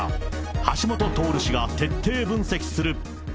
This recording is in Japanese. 橋下徹氏が徹底分析する。